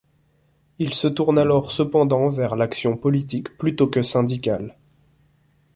Il se tourne alors cependant vers l'action politique plutôt que syndicale.